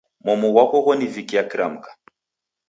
Momu ghwako ghonivikia kiramka